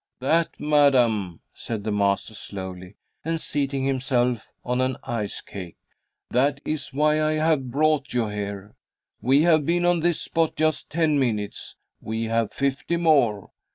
"That, madam," said the master slowly, and seating himself on an ice cake "that is why I have brought you here. We have been on this spot just ten minutes, we have fifty more.